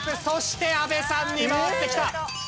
そして阿部さんに回ってきた。